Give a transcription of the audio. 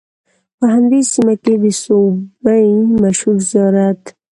په همدې سیمه کې د سوبۍ مشهور زیارت